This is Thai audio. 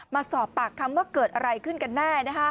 มาสอบปากคำว่าเกิดอะไรขึ้นกันแน่